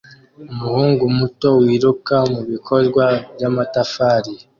Umuhungu muto wiruka mubikorwa byamatafari